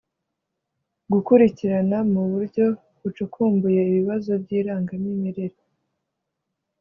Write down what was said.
gukurikirana mu buryo bucukumbuye ibibazo by’ irangamimerere